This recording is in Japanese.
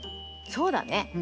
そうだね。